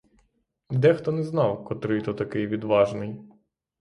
Дехто не знав, котрий то такий відважний.